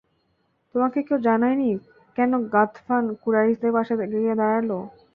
তোমাকে কেউ জানায়নি, কেন গাতফান কুরাইশদের পাশে গিয়ে দাঁড়াল?